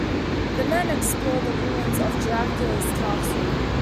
The men explore the ruins of Dracula's castle.